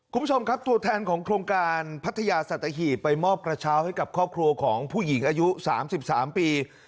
คุณผู้ชมครับตัวแทนของโครงการพัทยาสัตหีบไปมอบกระเช้าให้กับครอบครัวของผู้หญิงอายุ๓๓ปี